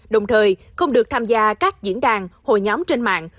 đồng thời không được tham gia các diễn đàn hồi nhóm trên mạng